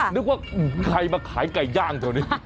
นึกว่าใครมาขายไก่ย่างแถวนี้